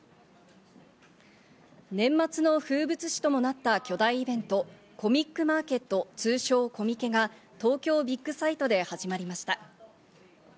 年末の風物詩となった巨大イベント、コミックマーケット、通称コミケが東京ビッグサイトで始まりました。